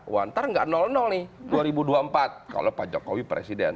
wantar nggak nih dua ribu dua puluh empat kalau pak jokowi presiden